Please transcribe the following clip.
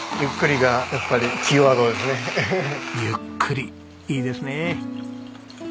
「ゆっくり」いいですね。